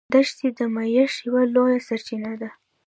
دښتې د معیشت یوه لویه سرچینه ده.